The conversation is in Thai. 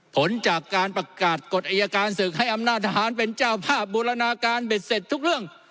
ผลจากการประกาศกฎอายการศึกให้อำนาจทหารเป็นเจ้าภาพบูรณาการเบ็ดเสร็จทุกเรื่อง